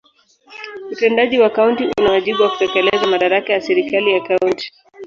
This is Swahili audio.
Utendaji wa kaunti una wajibu wa kutekeleza madaraka ya serikali ya kaunti.